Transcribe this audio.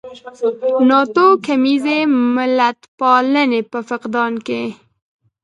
ناتوکمیزې ملتپالنې په فقدان کې.